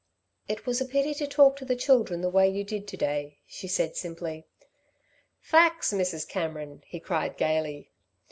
"It was a pity to talk to the children the way you did to day," she said simply. "Facts, Mrs. Cameron!" he cried gaily.